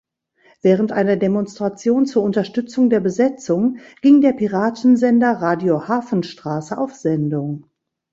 Während einer Demonstration zur Unterstützung der Besetzung ging der Piratensender „Radio Hafenstraße“ auf Sendung.